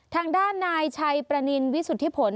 ทางด้านนายชัยประนินวิสุทธิผล